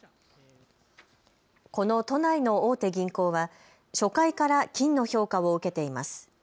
この都内の大手銀行は初回から金の評価を受けています。